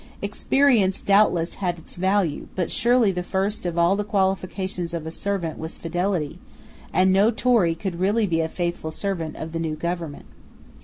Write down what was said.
Experience doubtless had its value: but surely the first of all the qualifications of a servant was fidelity; and no Tory could be a really faithful servant of the new government.